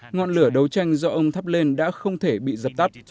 ngọn lửa đấu tranh do ông thắp lên đã không thể bị dập tắt